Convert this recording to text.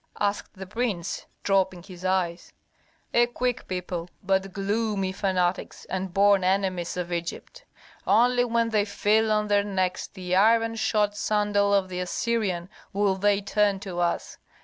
asked the prince, dropping his eyes. "A quick people, but gloomy fanatics and born enemies of Egypt. Only when they feel on their necks the iron shod sandal of the Assyrian, will they turn to us.